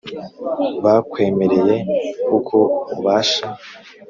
bakwemereye uko ubasha,